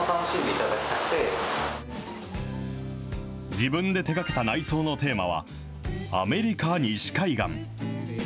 自分で手がけた内装のテーマは、アメリカ西海岸。